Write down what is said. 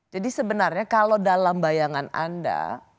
jadi sebenarnya kalau dalam bayangan anda